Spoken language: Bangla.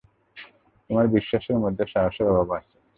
তোমার বিশ্বাসের মধ্যে সাহসের অভাব আছে।